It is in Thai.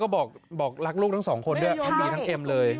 ก็บอกรักลูกทั้งสองคนด้วยทั้งดีทั้งเอ็มเลย